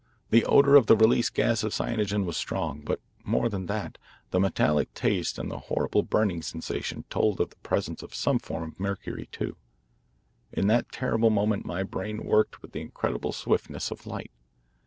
The odour of the released gas of cyanogen was strong. But more than that, the metallic taste and the horrible burning sensation told of the presence of some form of mercury, too. In that terrible moment my brain worked with the incredible swiftness of light.